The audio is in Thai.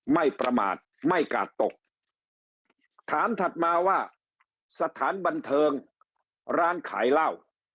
ไม่ประมาทไม่กาดตกถามถัดมาว่าสถานบันเทิงร้านขายเหล้า